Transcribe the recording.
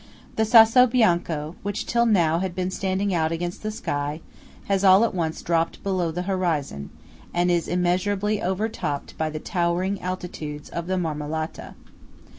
The Sasso Bianco, which till now had been standing out against the sky, has all at once dropped below the horizon, and is immeasurably overtopped by the towering altitudes of the Marmolata.